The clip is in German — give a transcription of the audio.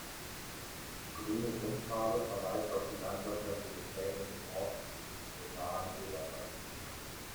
Die grüne Grundfarbe verweist auf die landwirtschaftliche Prägung des Ortes und den nahen Oderwald.